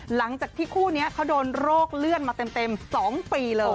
หลังจากที่คู่นี้เขาโดนโรคเลื่อนมาเต็ม๒ปีเลย